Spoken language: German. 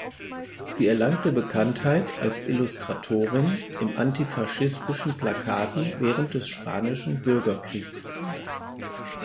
Sie erlangte Bekanntheit als Illustratorin von antifaschistischen Plakaten während des Spanischen Bürgerkriegs.